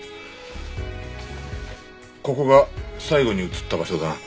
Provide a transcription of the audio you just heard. ここが最後に映った場所だな。